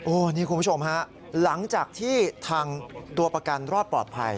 นี่คุณผู้ชมฮะหลังจากที่ทางตัวประกันรอดปลอดภัย